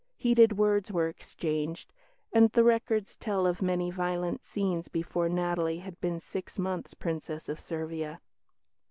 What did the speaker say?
Heated words were exchanged, and the records tell of many violent scenes before Natalie had been six months Princess of Servia.